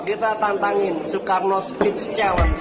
kita tantangin soekarno speech challenge